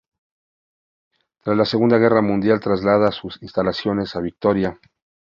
Tras la Segunda Guerra Mundial traslada sus instalaciones a Vitoria.